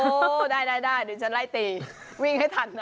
โอ้โหได้เดี๋ยวฉันไล่ตีวิ่งให้ทันนะ